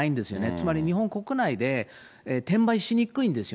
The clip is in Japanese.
つまり、日本国内で転売しにくいんですよ。